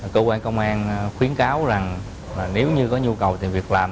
cơ quan công an khuyến cáo rằng nếu như có nhu cầu tìm việc làm